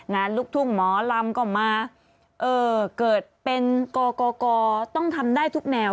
ลูกทุ่งหมอลำก็มาเกิดเป็นกกต้องทำได้ทุกแนว